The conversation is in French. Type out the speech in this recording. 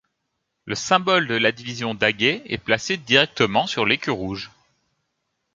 Le symbole de la division Daguet est plaqué directement sur l'écu rouge.